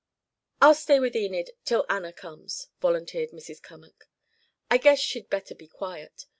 "I'll stay with Enid till Anna comes," volunteered Mrs. Cummack. "I guess she'd better be quiet.